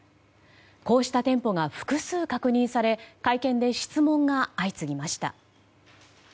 こうした店舗が複数確認され会見で質問が相次ぎました。